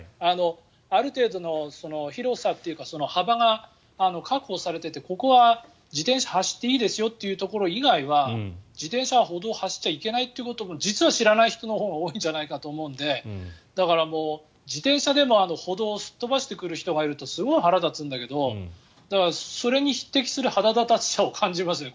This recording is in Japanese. ある程度の広さというか幅が確保されていてここは自転車走っていいですよというところ以外は自転車は歩道を走っちゃいけないということも実は知らない人のほうが多いんじゃないかと思うのでだから、自転車でも歩道をすっ飛ばしてくる人がいるとすごい腹立つんだけどそれに匹敵する腹立たしさを感じますね。